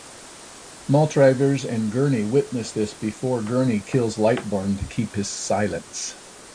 Maltravers and Gurney witness this before Gurney kills Lightborn to keep his silence.